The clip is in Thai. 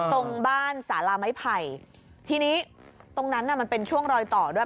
ตรงบ้านสาราไม้ไผ่ทีนี้ตรงนั้นน่ะมันเป็นช่วงรอยต่อด้วย